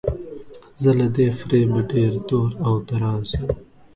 زه له دې فریبه ډیر دور او دراز یم.